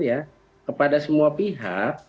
ya kepada semua pihak